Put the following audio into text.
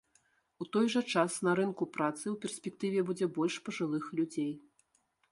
У той жа час на рынку працы ў перспектыве будзе больш пажылых людзей.